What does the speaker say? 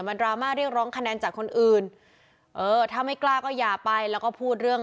มันดราม่าเรียกร้องคะแนนจากคนอื่นเออถ้าไม่กล้าก็อย่าไปแล้วก็พูดเรื่อง